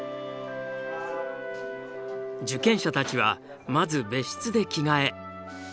受験者たちはまず別室で着替え。